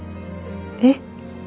えっ？